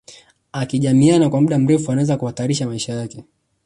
Akijamiiana kwa mda mrefu anaweza kuhatarisha maisha yake